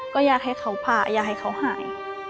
ก็อยากให้เขาผ่าอยากให้เขาหาย